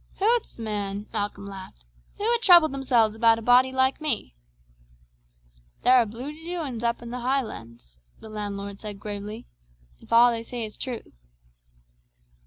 "Hoots, man!" Malcolm laughed; "who would trouble themselves about a body like me!" "There are bleudy doings up i' the Highlands," the landlord said gravely, "if a' they say is true."